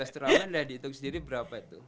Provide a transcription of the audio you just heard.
dua belas turnamen sudah dihitung sendiri berapa itu